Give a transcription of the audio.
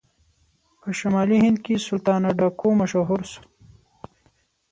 په شمالي هند کې سلطانه ډاکو مشهور شو.